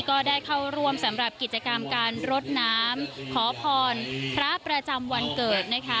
ก็ได้เข้าร่วมสำหรับกิจกรรมการรดน้ำขอพรพระประจำวันเกิดนะคะ